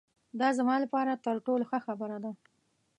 دا زما له پاره تر ټولو ښه خبره ده.